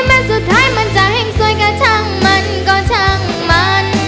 แม้สุดท้ายมันจะแห่งสวยก็ช่างมันก็ช่างมัน